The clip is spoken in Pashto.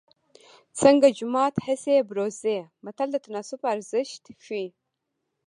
څنګه جومات هسې بروزې متل د تناسب ارزښت ښيي